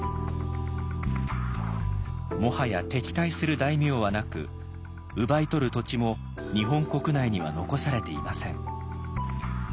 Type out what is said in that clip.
もはや敵対する大名はなく奪い取る土地も日本国内には残されていません。